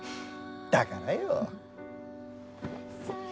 だからよ。